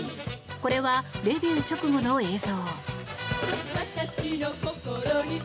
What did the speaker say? これはデビュー直後の映像。